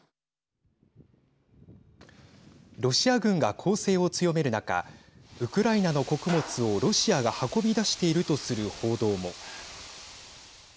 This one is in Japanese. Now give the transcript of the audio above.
ロシア軍が攻勢を強める中ウクライナの穀物をロシアが運び出しているとする報道も。